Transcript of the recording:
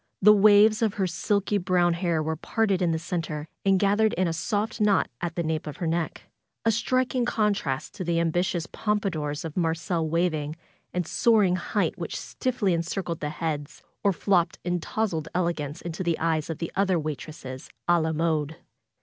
The waves of her silky brown hair were parted in the center and gathered in a soft knot at the nape of her neck; a striking contrast to the ambitious pompadours of marcel waving and soaring height which stiffly en circled the heads, or flopped in towzled elegance into the eyes of the other waitresses, a la mode.